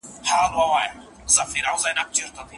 موږ په هر يو گاونډي وهلی گول دی